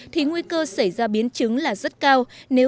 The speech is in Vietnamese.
thì nguy cơ xảy ra biến chứng là rất cao